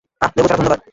আহ, লেবু ছাড়া, ধন্যবাদ।